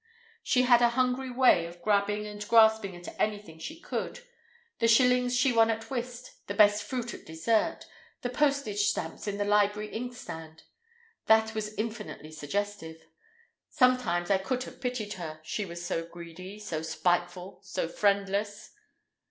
She had a hungry way of grabbing and grasping at everything she could—the shillings she won at whist, the best fruit at dessert, the postage stamps in the library inkstand—that was infinitely suggestive. Sometimes I could have pitied her, she was so greedy, so spiteful, so friendless.